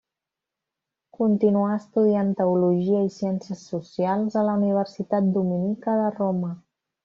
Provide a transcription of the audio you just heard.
Continuà estudiant teologia i ciències socials a la Universitat Dominica de Roma.